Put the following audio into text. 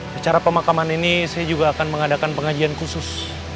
secara pemakaman ini saya juga akan mengadakan pengajian khusus